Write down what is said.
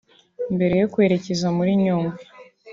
Mbere yo kwerekeza muri Nyungwe